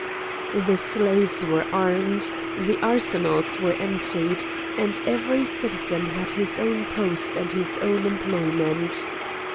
The slaves were armed, the arsenals were emptied, and every citizen had his own post and his own employment.